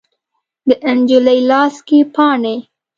د نجلۍ لاس کې پاڼې